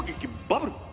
バブル！